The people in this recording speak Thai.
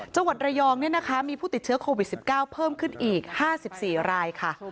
จังหวัดระยองมีผู้ติดเชื้อโควิด๑๙เพิ่มขึ้นอีก๕๔รายค่ะ